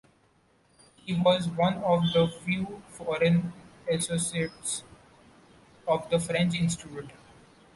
He was one of the few foreign associates of the French Institute.